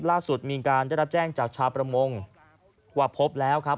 ล่าสุดมีการได้รับแจ้งจากชาวประมงว่าพบแล้วครับ